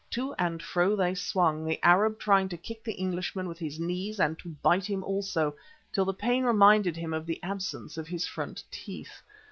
To and fro they swung, the Arab trying to kick the Englishman with his knees and to bite him also, till the pain reminded him of the absence of his front teeth.